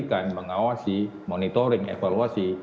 jadi kita harus menjaga kesehatan mengawasi monitoring evaluasi